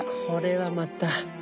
これはまた。